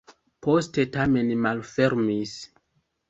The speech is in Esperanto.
Poste tamen malfermis.